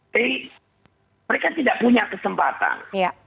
tapi mereka tidak punya kesempatan